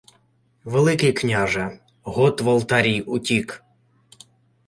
— Великий княже... Гот Валтарій утік.